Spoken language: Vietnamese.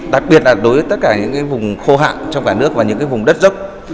đặc biệt là đối với tất cả những vùng khô hạn trong cả nước và những vùng đất dốc